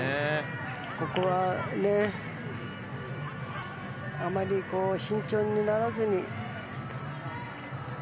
ここはね、あまり慎重にならずに。